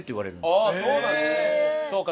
そうか。